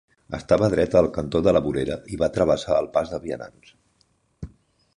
Estava dreta al cantó de la vorera i va travessar el pas de vianants.